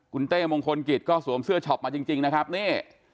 คุณเต้มงคลกิจก็สวมเสื้อช็อปมาจริงนะครับนี่